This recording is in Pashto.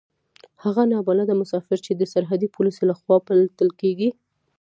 هغه نا بلده مسافر چې د سرحدي پوليسو له خوا پلټل کېږي.